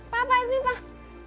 pak apa ini pak